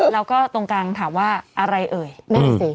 แล้วก็ตรงกลางถามว่าอะไรเอ่ยนั่นสิ